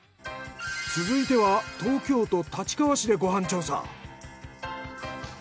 続いては東京都立川市でご飯調査。